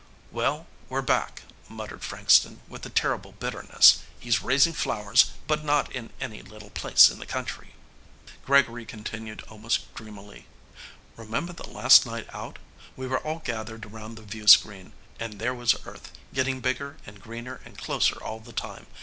"Well, we're back," muttered Frankston, with a terrible bitterness. "He's raising flowers, but not in any little place in the country." Gregory continued almost dreamily, "Remember the last night out? We were all gathered around the viewscreen. And there was Earth, getting bigger and greener and closer all the time.